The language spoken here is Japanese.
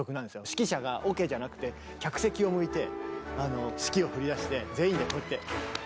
指揮者がオケじゃなくて客席を向いて指揮を振りだして全員でこうやって。